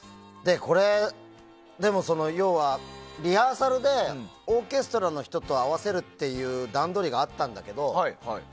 でも、要はリハーサルでオーケストラの人と合わせるという段取りがあったんだけど。